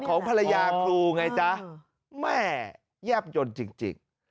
ของภรรยาครูไงจ๊ะแม่แยบยนต์จริง